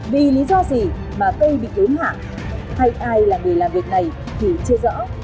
vì lý do gì mà cây bị đốn hạ hay ai là người làm việc này thì chưa rõ